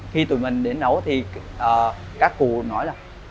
khi tụi mình đến nấu thì các cụ nói là